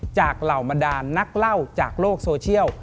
เหล่าบรรดานนักเล่าจากโลกโซเชียล